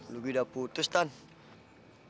luki udah putus tante